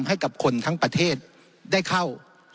ให้กับคนทั้งประเทศได้เข้า